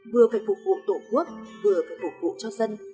vừa phải phục vụ tổ quốc vừa phải phục vụ cho dân